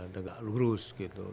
tegak lurus gitu